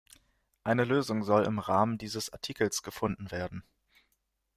Eine Lösung sollte im Rahmen dieses Artikels gefunden werden.